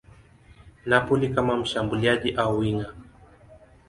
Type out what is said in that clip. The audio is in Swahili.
Napoli kama mshambuliaji au winga.